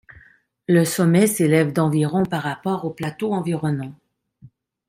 Le sommet s'élève d'environ par rapport au plateau environnant.